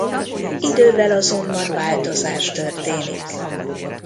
Idővel azonban változás történik.